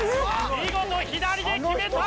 見事左で決めた！